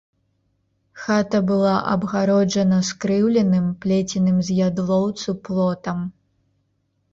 Хата была абгароджана скрыўленым, плеценым з ядлоўцу, плотам.